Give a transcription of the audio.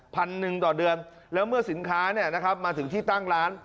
พันหนึ่งต่อเดือนแล้วเมื่อสินค้าเนี่ยนะครับมาถึงที่ตั้งร้าน